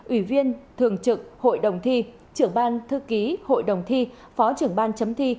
ủy viên thường trực hội đồng thi trưởng ban thư ký hội đồng thi phó trưởng ban chấm thi